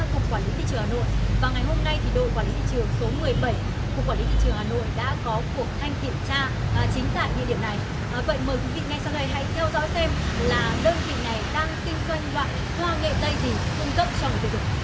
vậy mời quý vị ngay sau đây hãy theo dõi xem là đơn vị này đang kinh doanh loại hoa nghệ tây gì cung cấp cho người tiêu dùng